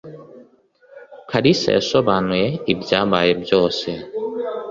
kalisa yasobanuye ibyabaye byose.